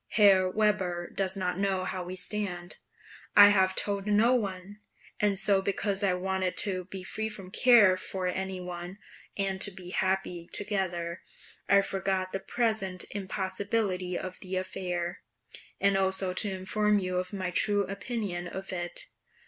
Herr Weber does not know how we stand; I have told no one; and so because I wanted to be free from care for any one, and to be happy together, I forgot the present impossibility of the affair, and also to inform you of my true opinion of it.